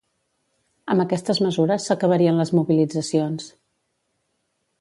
Amb aquestes mesures s'acabarien les mobilitzacions.